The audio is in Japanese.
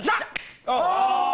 お！